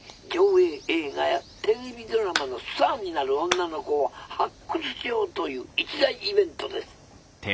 条映映画やテレビドラマのスターになる女の子を発掘しようという一大イベントです。